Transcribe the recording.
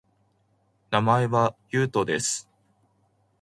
名前は、ゆうとです